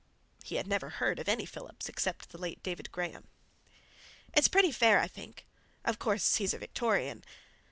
(He had never heard of any Phillips except the late David Graham.) "It's pretty fair, I think. Of course he's a Victorian."